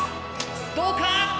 どうか！